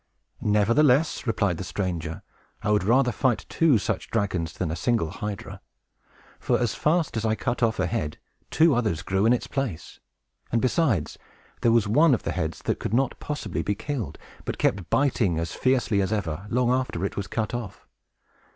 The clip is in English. "Nevertheless," replied the stranger, "I would rather fight two such dragons than a single hydra. For, as fast as I cut off a head, two others grew in its place; and, besides, there was one of the heads that could not possibly be killed, but kept biting as fiercely as ever, long after it was cut off.